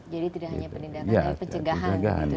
jadi tidak hanya penindakan tapi pencegahan